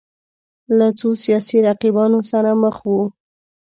له څو سیاسي رقیبانو سره مخ وو